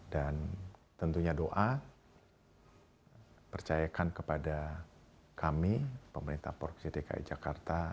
dan tentunya doa percayakan kepada kami pemerintah provinsi dki jakarta